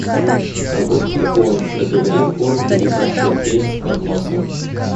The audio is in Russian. А, вот и он, — проговорил он, увидав лакея с подносом.